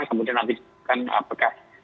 kemudian nanti kan apakah